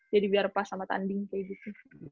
jadi biar pas sama tanding kayak gitu